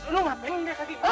lo ngapain deh kaki